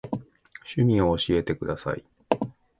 趣味を教えてください。